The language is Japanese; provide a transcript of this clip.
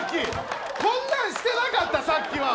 こんなんしてなかった、さっきは。